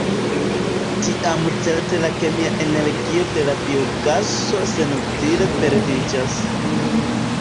Tiam certe la kemia energio de la biogaso senutile perdiĝas.